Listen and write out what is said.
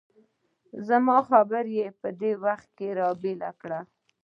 زما خبره یې په دې وخت کې را بېل کړه.